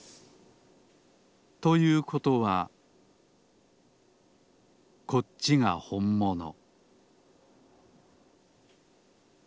ということはこっちがほんもの